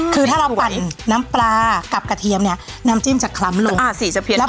คือถ้าเราปั่นน้ำปลากับกระเทียมเนี้ยน้ำจิ้มจะคล้ำลงอ่าสีจะเพียงเก็บ